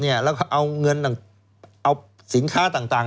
เอาสินค้าต่าง